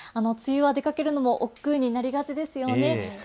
梅雨は出かけるのもおっくうになりがちですよね。